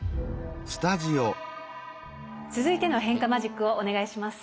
続いての変化マジックをお願いします。